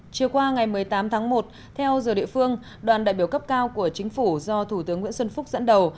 chiều qua ngày một mươi tám tháng một theo giờ địa phương đoàn đại biểu cấp cao của chính phủ do thủ tướng nguyễn xuân phúc dẫn đầu